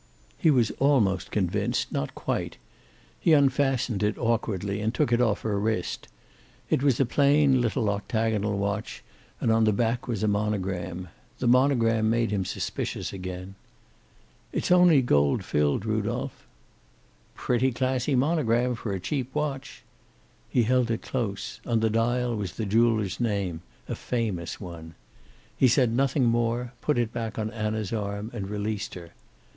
He was almost convinced, not quite. He unfastened it awkwardly and took it off her wrist. It was a plain little octagonal watch, and on the back was a monogram. The monogram made him suspicious again. "It's only gold filled, Rudolph." "Pretty classy monogram for a cheap watch." He held it close; on the dial was the jeweler's name, a famous one. He said nothing more, put it back on Anna's arm and released her.